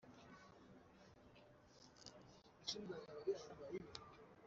Yeyeli se wa Gibeyonij yari umworozi